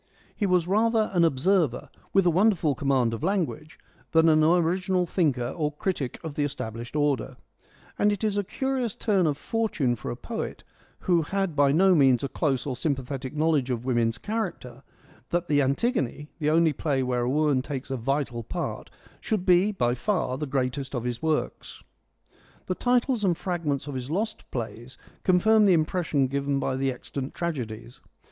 He was rather an observer, with a wonderful command of language, than an original thinker or critic of the established order ; and it is a curious turn of fortune for a poet, who had by no means a close or a sym pathetic knowledge of woman's character, that the Antigone, the only play where a woman takes a vital part, should be by far the greatest of his works. The titles and fragments of his lost plays confirm the impression given by the extant tragedies.